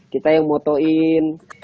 kita yang fotoin